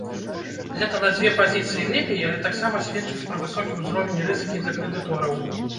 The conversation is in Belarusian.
Гэта на дзве пазіцыі лепей, але таксама сведчыць пра высокі ўзровень рызыкі для крэдытораў.